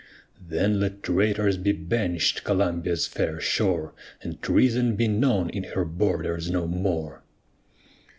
Chorus Then let traitors be banish'd Columbia's fair shore, And treason be known in her borders no more.